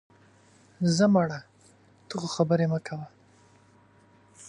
ځه مړه، ته خو خبرې مه کوه